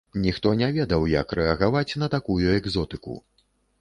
Ніхто не ведаў, як рэагаваць на такую экзотыку.